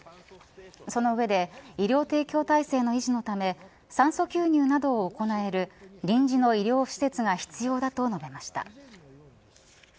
その上で医療提供体制の維持のため酸素吸入などを行える臨時の医療施設が必要だと述べました。